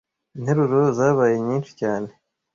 interuro zabaye nyinshi cyane